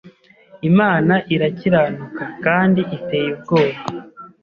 Imana irakiranuka, kandi iteye ubwoba.